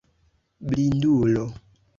Blindulo!